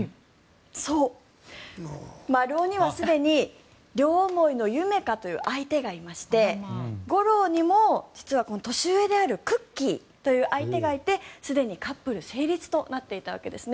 そう、マルオにはすでに両思いのユメカという相手がいましてゴローにも実は年上であるクッキーという相手がいてすでにカップル成立となっていたわけですね。